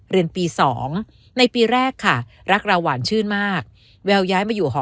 เรียนปี๒ในปีแรกค่ะรักเราหวานชื่นมากแววย้ายมาอยู่หอ